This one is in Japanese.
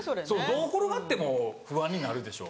どう転がっても不安になるでしょ。